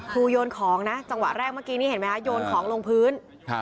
โยนของนะจังหวะแรกเมื่อกี้นี่เห็นไหมคะโยนของลงพื้น